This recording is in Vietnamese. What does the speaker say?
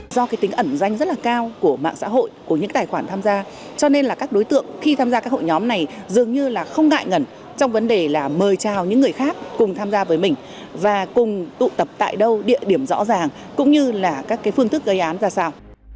do cái tính ẩn danh rất là cao của mạng xã hội của những tài khoản tham gia cho nên là các đối tượng khi tham gia các hội nhóm này dường như là không ngại ngẩn trong vấn đề là mời chào những người khác cùng tham gia với mình và cùng tụ tập tại đâu địa điểm rõ ràng cũng như là các phương thức gây án ra sao